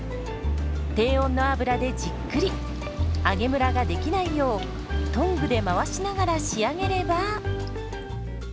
低温の油でじっくり揚げむらができないようトングで回しながら仕上げれば。